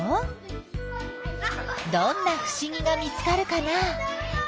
どんなふしぎが見つかるかな？